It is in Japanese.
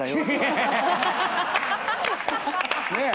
ねえ！